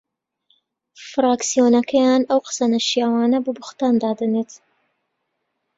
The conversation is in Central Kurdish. فراکسیۆنەکەیان ئەو قسە نەشیاوانە بە بوختان دادەنێت